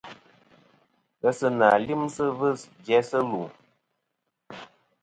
Ghesɨnà lyɨmsɨ ɨvɨs jæsɨ lù.